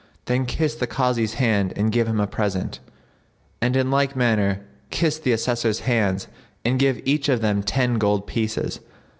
Then kiss the Kazi's hand and give him a present, and in like manner kiss the Assessors' hands and give each of them ten gold pieces.